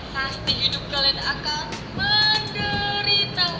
pasti hidup kalian akan menderita